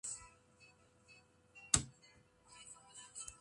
Se convirtió en la primera empresa feroesa de la bolsa.